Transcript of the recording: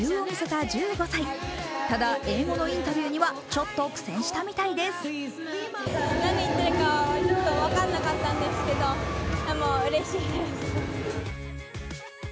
ただ、英語のインタビューにはちょっと苦戦したみたいです。